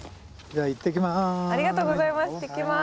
ありがとうございます。